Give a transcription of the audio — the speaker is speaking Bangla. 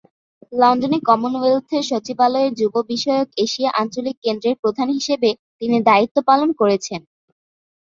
লন্ডনে কমনওয়েলথের সচিবালয়ের যুব বিষয়ক এশিয়া আঞ্চলিক কেন্দ্রের প্রধান হিসেবে তিনি দায়িত্ব পালন করেছেন।